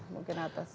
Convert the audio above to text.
mungkin atas ya